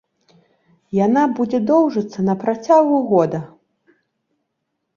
Яна будзе доўжыцца на працягу года.